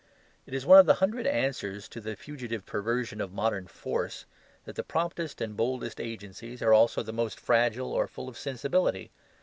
It is one of the hundred answers to the fugitive perversion of modern "force" that the promptest and boldest agencies are also the most fragile or full of sensibility.